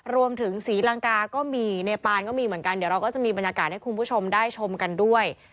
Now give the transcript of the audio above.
ศรีลังกาก็มีเนปานก็มีเหมือนกันเดี๋ยวเราก็จะมีบรรยากาศให้คุณผู้ชมได้ชมกันด้วย